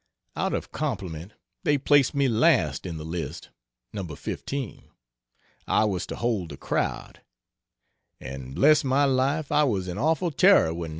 Out of compliment they placed me last in the list No. 15 I was to "hold the crowd" and bless my life I was in awful terror when No.